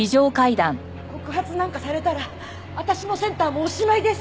告発なんかされたら私もセンターもおしまいです。